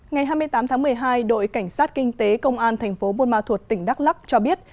ngày hai mươi tám tháng một mươi hai đội cảnh sát kinh tế công an thành phố buôn ma thuột tỉnh đắk lắc cho biết